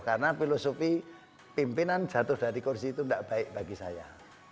karena filosofi pimpinan jatuh dari kursi itu tidak baik bagi saya